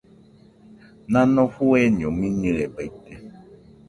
Nano fueño miñɨe baite.